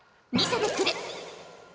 見せてくれ。